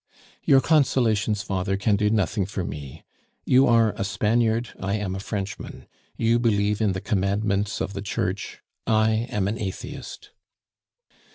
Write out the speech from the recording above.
"Your consolations, father, can do nothing for me. You are a Spaniard, I am a Frenchman; you believe in the commandments of the Church, I am an atheist."